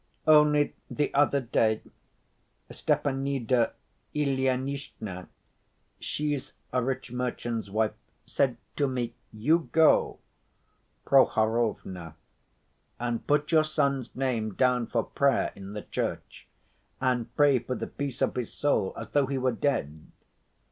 "Only the other day Stepanida Ilyinishna—she's a rich merchant's wife—said to me, 'You go, Prohorovna, and put your son's name down for prayer in the church, and pray for the peace of his soul as though he were dead.